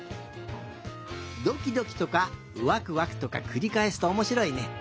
「ドキドキ」とか「ワクワク」とかくりかえすとおもしろいね。